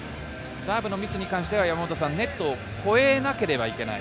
サーブのミスに関してはネットを越えなければいけない。